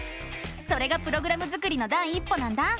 それがプログラム作りの第一歩なんだ！